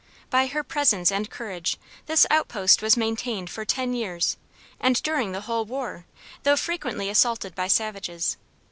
By her presence and courage this out post was maintained for ten years and during the whole war, though frequently assaulted by savages.